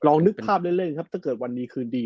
ลองนึกภาพเรื่อยเรื่อยครับถ้าเกิดวันนี้คือดี